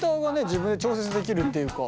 自分で調節できるっていうか。